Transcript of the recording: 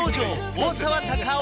大沢たかお